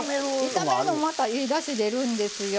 炒めるのもまたいいだし出るんですよ。